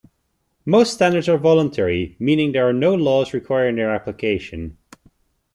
Most standards are voluntary, meaning there are no laws requiring their application.